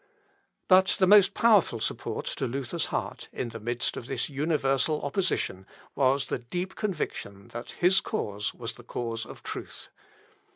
" But the most powerful support to Luther's heart, in the midst of this universal opposition, was the deep conviction that his cause was the cause of truth.